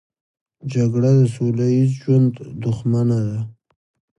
جګړه د سوله ییز ژوند دښمنه ده